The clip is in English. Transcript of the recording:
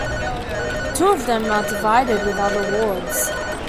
Two of them are divided with other wards.